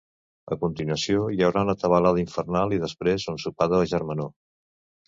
A continuació hi haurà una ‘tabalada infernal’ i després un sopar de germanor.